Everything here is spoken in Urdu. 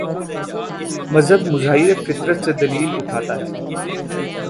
مذہب مظاہر فطرت سے دلیل اٹھاتا ہے۔